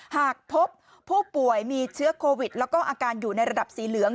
หากพบผู้ป่วยมีเชื้อโควิดแล้วก็อาการอยู่ในระดับสีเหลือง